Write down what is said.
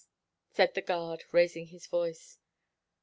said the guard, raising his voice.